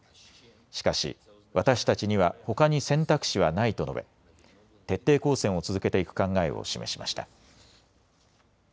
しかし私たちにはほかに選択肢はないと述べ、徹底抗戦を続けていく考えを示しました。